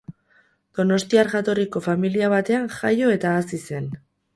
Donostiar jatorriko familia batean jaio eta hazi zen.